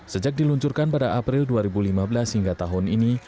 sejak diluncurkan pada april dua ribu lima belas hingga tahun ini